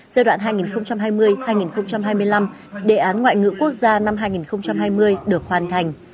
giai đoạn hai nghìn hai mươi hai nghìn hai mươi năm đề án ngoại ngữ quốc gia năm hai nghìn hai mươi được hoàn thành